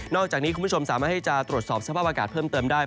อกจากนี้คุณผู้ชมสามารถที่จะตรวจสอบสภาพอากาศเพิ่มเติมได้